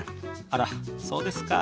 あらっそうですか。